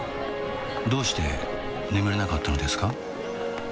どうして眠れなかったのですか？